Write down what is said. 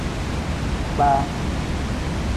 Kpaa.